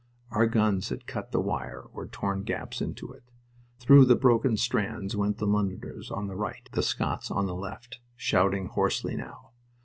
Our guns had cut the wire or torn gaps into it. Through the broken strands went the Londoners on the right, the Scots on the left, shouting hoarsely now.